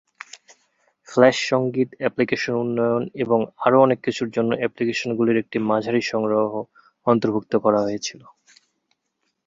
Flash সঙ্গীত, application উন্নয়ন এবং আরও অনেক কিছুর জন্য অ্যাপ্লিকেশনগুলির একটি মাঝারি সংগ্রহ অন্তর্ভুক্ত করা হয়েছিল।